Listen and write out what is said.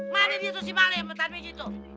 mana dia tuh si malik sama tarmiji tuh